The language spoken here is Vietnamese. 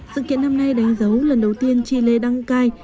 sự kiện năm nay đánh dấu lần đầu tiên chi lê đăng cai